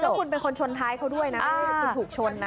แล้วคุณเป็นคนชนท้ายเขาด้วยนะคุณถูกชนนะ